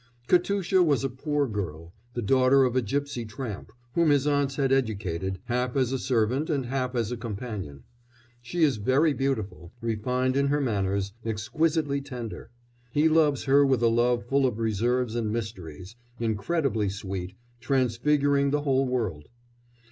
Katusha was a poor girl, the daughter of a gipsy tramp, whom his aunts had educated, half as a servant and half as a companion. She is very beautiful, refined in her manners, exquisitely tender; he loves her with a love full of reserves and mysteries, incredibly sweet, transfiguring the whole world.